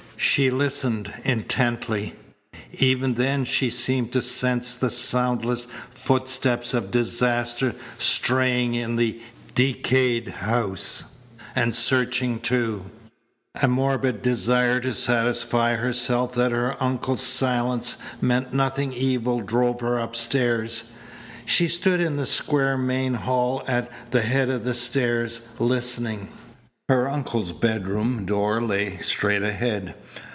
She listened intently. Even then she seemed to sense the soundless footsteps of disaster straying in the decayed house, and searching, too. A morbid desire to satisfy herself that her uncle's silence meant nothing evil drove her upstairs. She stood in the square main hall at the head of the stairs, listening. Her uncle's bedroom door lay straight ahead.